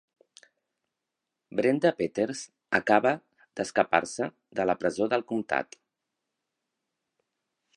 Brenda Peters acaba d'escapar-se de la presó del comtat.